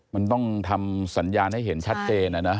มันต้องทำสัญญาณให้เห็นชัดเจนนะ